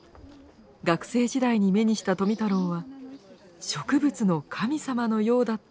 学生時代に目にした富太郎は植物の神様のようだったといいます。